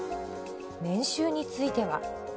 年収については。